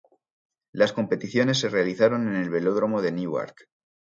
Las competiciones se realizaron en el Velódromo de Newark.